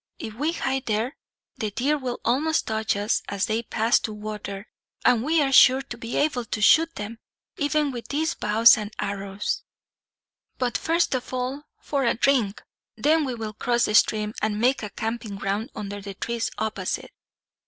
If we hide there, the deer will almost touch us as they pass to water; and we are sure to be able to shoot them, even with these bows and arrows. "But first of all, for a drink. Then we will cross the stream, and make a camping ground under the trees opposite."